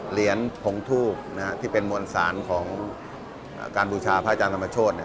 เหรียญพงทูบที่เป็นมวลสารของการบูชาพระอาจารย์ธรรมโชธ